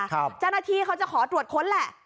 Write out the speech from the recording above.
ครับแอฟอนดีกันเขาจะขอตรวจค้นแหละ